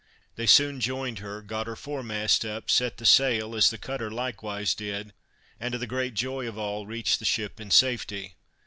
They soon joined her, got her foremast up, set the sail, as the cutter likewise did, and to the great joy of all, reached the ship in safety.